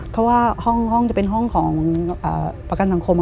เพราะว่าห้องจะเป็นห้องของประกันสังคม